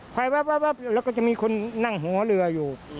คล้ายแล้วก็จะมีคุณนั่งหัวเรืออยู่